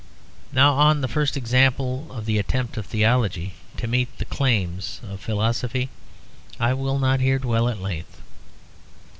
Now on the first example of the attempt of theology to meet the claims of philosophy I will not here dwell at length.